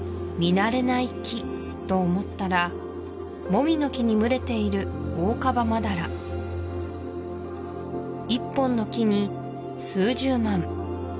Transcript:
慣れない木と思ったらもみの木に群れているオオカバマダラ１本の木に数十万